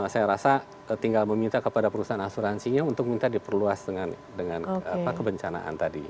saya rasa tinggal meminta kepada perusahaan asuransinya untuk minta diperluas dengan kebencanaan tadi